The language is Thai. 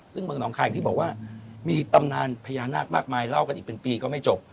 ซึ่งเมืองหนองคายอย่างที่บอกว่ามีตำนานพญานาคมากมายเล่ากันอีกเป็นปีก็ไม่จบ